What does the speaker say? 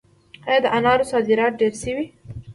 آیا د انارو صادرات ډیر شوي دي؟